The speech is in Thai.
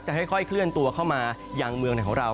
ค่อยเคลื่อนตัวเข้ามายังเมืองไหนของเรา